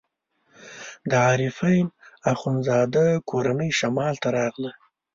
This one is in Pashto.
د عارفین اخندزاده کورنۍ شمال ته راغله.